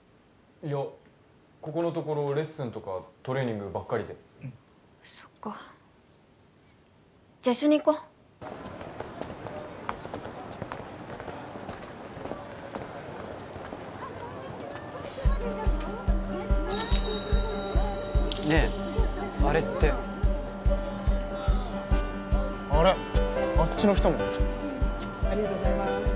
いやここのところレッスンとかトレーニングばっかりでそっかじゃあ一緒に行こうねえあれってあれあっちの人もありがとうございます